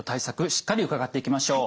しっかり伺っていきましょう。